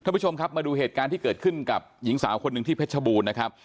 ผู้ชมครับมาดูเหตุการณ์ที่เกิดขึ้นกับหญิงสาวคนหนึ่งที่เพชรบูรณ์นะครับ